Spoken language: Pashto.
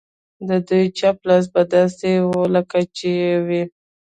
د دوی چپ لاس به داسې و لکه شل چې وي.